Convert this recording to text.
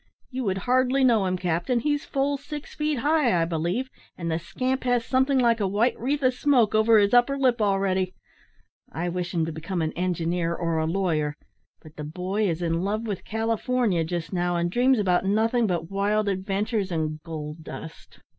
You would hardly know him, captain. He's full six feet high, I believe, and the scamp has something like a white wreath of smoke over his upper lip already! I wish him to become an engineer or a lawyer, but the boy is in love with California just now, and dreams about nothing but wild adventures and gold dust."